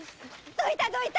・どいたどいた！